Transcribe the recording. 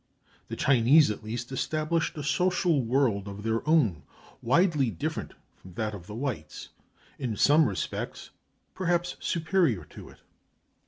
The Chinese, at least, established a social world of their own, widely different from that of the whites, in some respects perhaps superior to it.